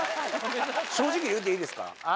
正直に言うていいですか？